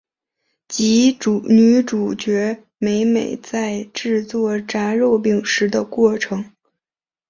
及女主角美美在制作炸肉饼时的过程。